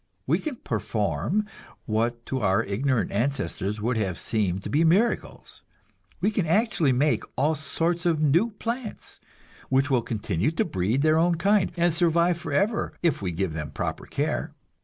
We can perform what to our ignorant ancestors would have seemed to be miracles; we can actually make all sorts of new plants, which will continue to breed their own kind, and survive forever if we give them proper care.